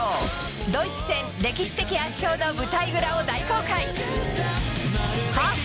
ドイツ戦歴史的圧勝の舞台裏を大公開。